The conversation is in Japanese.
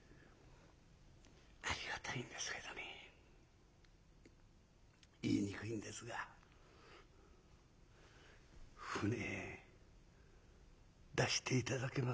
「ありがたいんですけどね言いにくいんですが舟出して頂けませんか」。